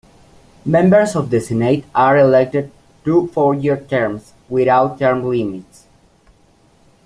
Members of the Senate are elected to four-year terms without term limits.